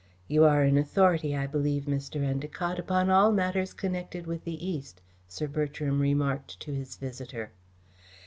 "You are an authority, I believe, Mr. Endacott, upon all matters connected with the East," Sir Bertram remarked to his visitor.